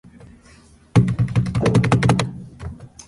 Kisch then took matters into his own hands.